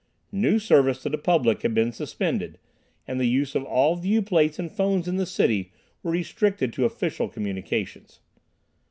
News service to the public had been suspended, and the use of all viewplates and phones in the city were restricted to official communications.